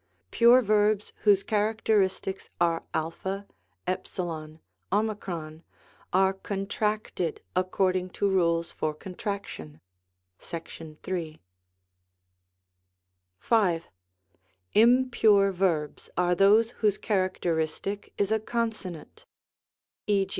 Pure verbs whose characteristics are a, e^ Oy are contracted according to rules for contraction, (§3.) 5. Impure verbs are those whose characteristic is a consonant; e.